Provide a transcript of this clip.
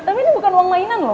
tapi ini bukan uang mainan loh